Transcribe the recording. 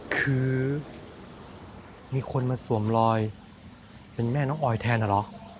คือมีคนมาสวมรอยเป็นแม่น้องออยแทนเหรอ